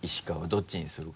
どっちにするか。